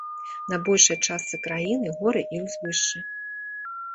На большай частцы краіны горы і ўзвышшы.